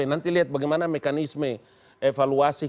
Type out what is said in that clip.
nanti lihat bagaimana mekanisme evaluasi